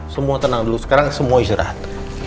semua tenang dulu sekarang semua istirahat